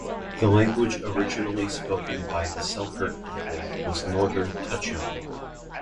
The language originally spoken by the Selkirk people was Northern Tutchone.